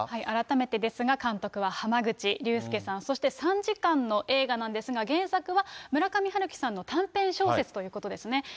改めてですが、監督は濱口竜介さん、そして３時間の映画なんですが、原作は村上春樹さんの短編小説ということですね。